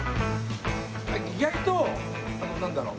意外となんだろう？